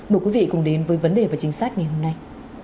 mời quý vị cùng đến với vấn đề và chính sách ngày hôm nay